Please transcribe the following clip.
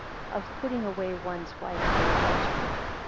Of putting away one's wife for adultery.